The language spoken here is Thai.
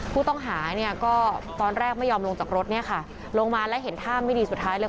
ผู้ต้องหาเนี่ยก็ตอนแรกไม่ยอมลงจากรถเนี่ยค่ะลงมาแล้วเห็นท่าไม่ดีสุดท้ายเลย